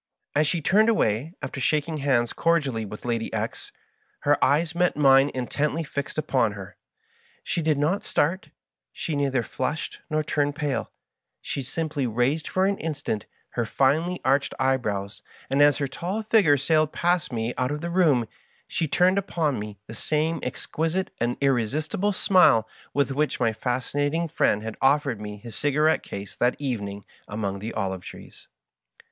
As she turned away, after shaking hands cordially with Lady X^ , her eyes met mine intently fixed upon her. She did not start, she neither flushed nor turned pala; she simply raised for an instant her finely arched eye brows, and as her tall figure sailed past me out of the room, she turned upon me the same exquisite and irre istible smile with* which my Fascinating Friend had offered me his cigarette case that evening among the olive trees.